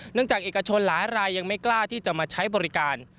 จากเอกชนหลายรายยังไม่กล้าที่จะมาใช้บริการ